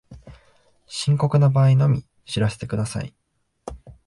深刻な場合のみ知らせてください